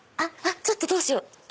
ちょっとどうしよう？